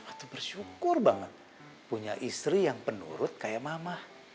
aku bersyukur banget punya istri yang penurut kayak mama